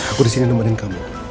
aku disini nemenin kamu